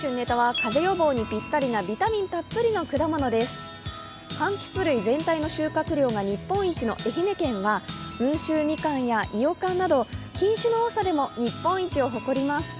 かんきつ類全体の収穫量が日本一の愛媛県は温州みかんやいよかんなど品種の多さでも日本一を誇ります。